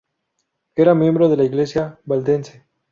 Era miembro de la Iglesia valdense.